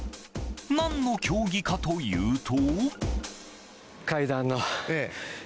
何の競技かというと。